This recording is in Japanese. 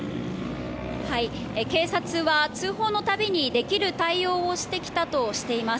警察は通報のたびにできる対応をしてきたとしています。